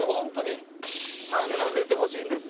３が出てほしいんです。